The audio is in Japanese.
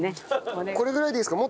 これぐらいでいいですか？